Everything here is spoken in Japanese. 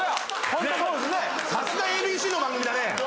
そうさすがＡＢＣの番組だね